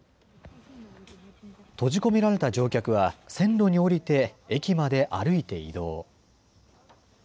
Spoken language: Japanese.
閉じ込められた乗客は線路に降りて駅まで歩いて移動。